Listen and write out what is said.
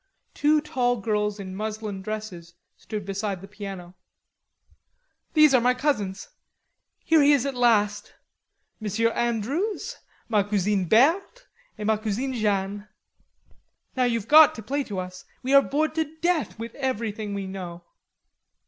Two tall girls in muslin dresses stood beside the piano. "These are my cousins.... Here he is at last. Monsieur Andrews, ma cousine Berthe et ma cousine Jeanne. Now you've got to play to us; we are bored to death with everything we know."